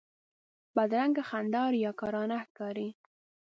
بدرنګه خندا ریاکارانه ښکاري